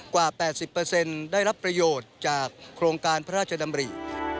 กว่า๘๐ได้รับประโยชน์จากโครงการพระราชดำริ